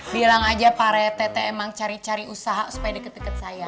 bilang aja pare tete emang cari cari usaha supaya deket deket saya